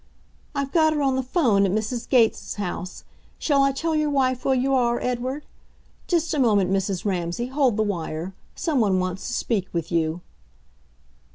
"I've got her on the 'phone at Mrs. Gates' house. Shall I tell your wife where you are, Edward? ... Just a moment, Mrs. Ramsay, hold the wire; some one wants to speak with you."